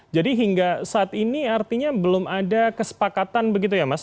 jadi hingga saat ini artinya belum ada kesepakatan begitu ya mas